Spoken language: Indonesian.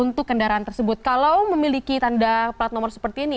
untuk kendaraan tersebut kalau memiliki tanda plat nomor seperti ini